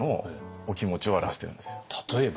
例えば？